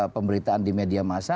pemberitaan di media masa